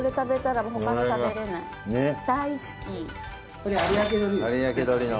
それ有明鶏の。